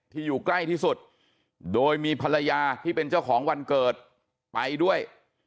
อยู่ใกล้ที่สุดโดยมีภรรยาที่เป็นเจ้าของวันเกิดไปด้วย